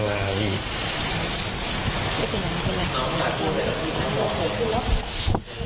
ขอทุกคนค่ะพี่